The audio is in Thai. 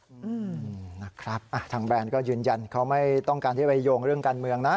อืมนะครับอ่ะทางแบรนด์ก็ยืนยันเขาไม่ต้องการที่ไปโยงเรื่องการเมืองนะ